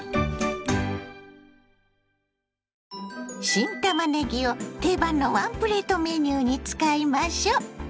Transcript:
新たまねぎを定番のワンプレートメニューに使いましょ。